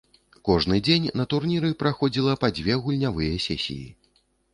Кожны дзень на турніры праходзіла па дзве гульнявыя сесіі.